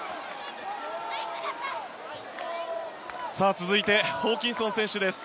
続いてホーキンソン選手です。